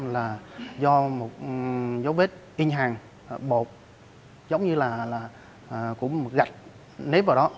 là do một dấu vết in hàng bột giống như là cũng một gạch nếp vào đó